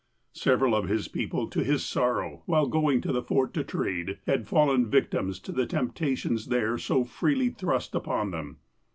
Several of his people, to his sorrow, while going to the Fort to trade, had fallen victims to the temptations there so freely thrust upon them.